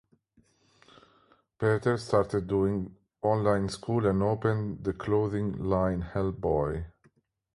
Peters started doing online school and opened the clothing line Hellboy.